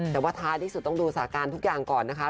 แต่ว่าท้ายที่สุดต้องดูสาการทุกอย่างก่อนนะคะ